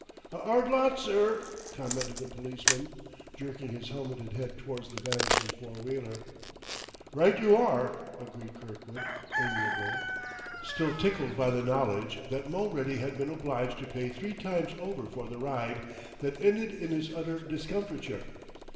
"A 'ard lot, sir," commented the policeman, jerking his helmeted head towards the vanishing four wheeler. "Right you are," agreed Kirkwood amiably, still tickled by the knowledge that Mulready had been obliged to pay three times over for the ride that ended in his utter discomfiture.